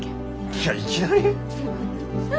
いやいきなり？